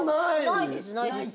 ないですないです。